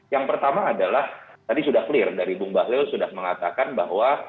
yang pertama adalah tadi sudah clear dari bung bahlil sudah mengatakan bahwa